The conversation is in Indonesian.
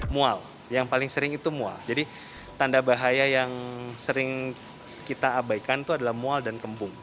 mual yang paling sering itu mual jadi tanda bahaya yang sering kita abaikan itu adalah mual dan kembung